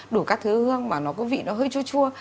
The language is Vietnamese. đủ các thứ hương mà nó có vị nó hơi chúa chua